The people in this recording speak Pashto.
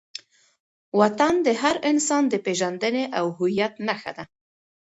وطن د هر انسان د پېژندنې او هویت نښه ده.